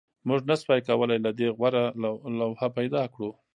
موږ نشوای کولی له دې غوره لوحه پیدا کړو